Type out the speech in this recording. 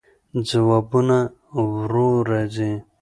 ځوابونه ورو راځي.